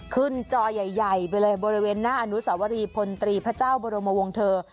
จอใหญ่ไปเลยบริเวณหน้าอนุสาวรีพลตรีพระเจ้าบรมวงเถอร์